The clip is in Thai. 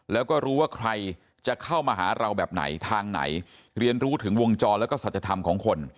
แล้วก็รู้ว่าใครจะเข้ามาหาเราแบบไหนทางไหน